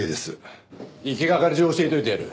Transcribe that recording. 行きがかり上教えといてやる。